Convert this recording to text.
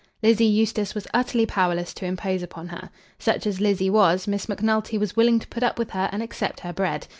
Lizzie Eustace was utterly powerless to impose upon her. Such as Lizzie was, Miss Macnulty was willing to put up with her and accept her bread.